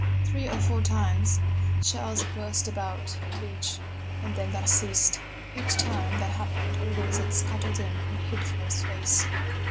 "Three or four times shells burst about the beach, and then that ceased. Each time that happened all the lizards scuttled in and hid for a space.